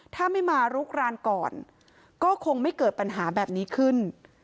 ถ้าไม่มาลุกรานก่อนก็คงไม่เกิดปัญหาแบบนี้ขึ้น